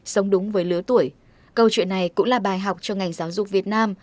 sống đúng với lứa tuổi câu chuyện này cũng là bài học cho ngành giáo dục việt nam